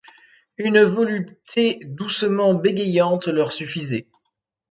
Une volupté doucement bégayante leur suffisait.